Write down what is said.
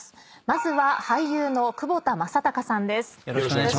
まずは俳優の窪田正孝さんです。